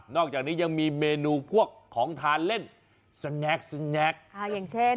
อกจากนี้ยังมีเมนูพวกของทานเล่นสแงกสแงกอย่างเช่น